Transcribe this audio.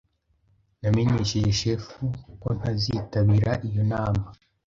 Namenyesheje chef ko ntazitabira iyo nama.